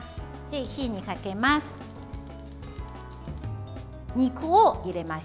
火にかけます。